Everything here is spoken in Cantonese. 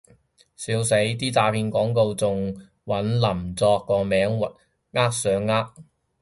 笑死，啲詐騙廣告仲搵林作個名呃上呃